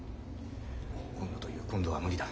今度という今度は無理だ。